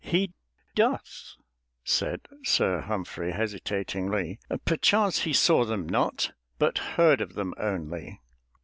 "He doth," said Sir Humphrey, hesitatingly. "Perchance he saw them not, but heard of them only."